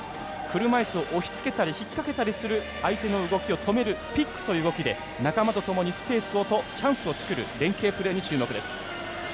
車いすを押し付けたり引っ掛けたりする相手の動きを止めるピックという動きで仲間とともにスペースとチャンスを作る連係プレーに注目です。